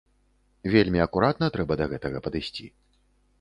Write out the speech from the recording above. Вельмі акуратна трэба да гэтага падысці.